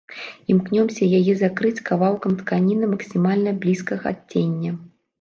Імкнёмся яе закрыць кавалкам тканіны максімальна блізкага адцення.